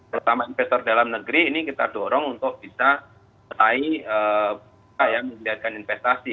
terutama investor dalam negeri ini kita dorong untuk bisa setai ya memilihkan investasi